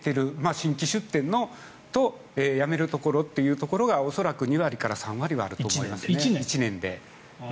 新規出店とやめるところというところがおそらく２割から３割はあると思います、１年で。